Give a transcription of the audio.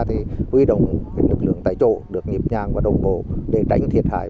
thì quy động lực lượng tại chỗ được nhịp nhàng và đồng bộ để tránh thiệt hại